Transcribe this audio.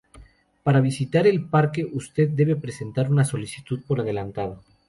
Para visitar el parque, usted debe presentar una solicitud por adelantado.